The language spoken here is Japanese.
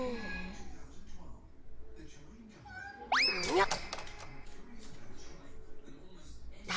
よっ！